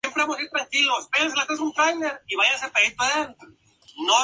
Se encuentran an lagos, lagunas, ríos, canales, arroyos y estanques.